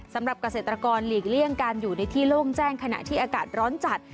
สำหรับเกษตรกรหลีกเลี่ยงการอยู่ในที่โล่งแจ้งขณะที่อากาศร้อนจัด